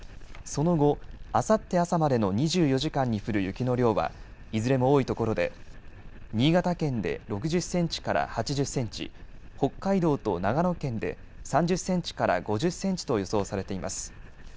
その後、あさって朝までの２４時間に降る雪の量はいずれも多いところで新潟県で６０センチから８０センチ、北海道と長野県で３０センチから５０センチと予想されています。